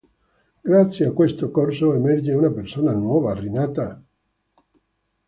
Grazie a questo corso emerge una persona nuova, rinata sotto la luce del Cristianesimo.